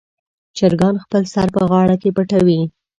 چرګان خپل سر په غاړه کې پټوي.